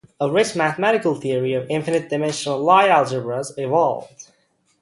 A rich mathematical theory of infinite dimensional Lie algebras evolved.